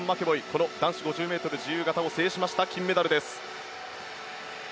この男子５０ｍ自由形を制しました金メダルです。